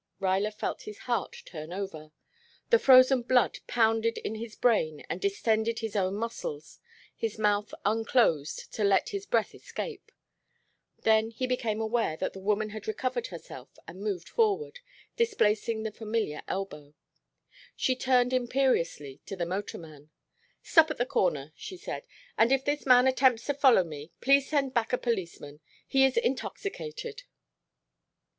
Ruyler felt his heart turn over. The frozen blood pounded in his brain and distended his own muscles, his mouth unclosed to let his breath escape. Then he became aware that the woman had recovered herself and moved forward, displacing the familiar elbow. She turned imperiously to the motorman. "Stop at the corner," she said. "And if this man attempts to follow me please send back a policeman. He is intoxicated."